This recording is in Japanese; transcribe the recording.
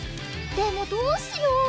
でもどうしよう？